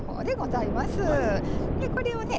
これをね